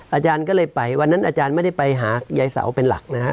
อาจารย์ก็เลยไปวันนั้นอาจารย์ไม่ได้ไปหายายเสาเป็นหลักนะฮะ